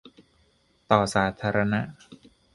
ต่อสาธารณะ